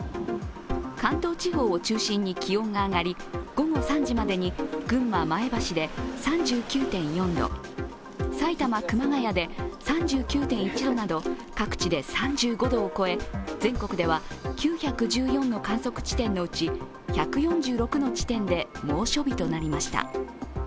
関東地方を中心に気温が上がり午後３時までに、群馬・前橋で３９．４度、埼玉・熊谷で３９．１度など各地で３５度を超え全国では９１４の観測地点のうち１４６の地点で猛暑日となりました。